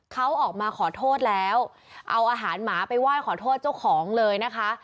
เขาออกมาขอโทษแล้วเอาอาหารหมาไปไหว้ขอโทษเจ้าของเลยนะคะ